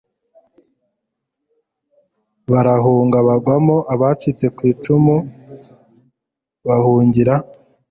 barahunga bagwamo abacitse ku icumu bahungira